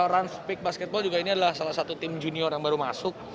run spik basketball juga ini adalah salah satu tim junior yang baru masuk